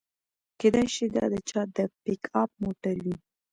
کیدای شي دا د چا د پیک اپ موټر وي